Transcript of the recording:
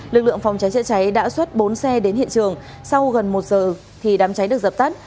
lực lượng phòng cháy chữa cháy đã xuất bốn xe đến hiện trường sau gần một giờ thì đám cháy được dập tắt